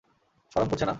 শরম করছে না?